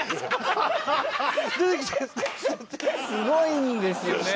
すごいんですよね。